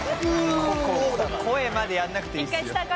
「声までやらなくていいですよ」